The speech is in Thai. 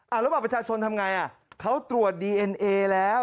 แล้วบัตรประชาชนทำอย่างไรเขาตรวจดีเอ็นเอแล้ว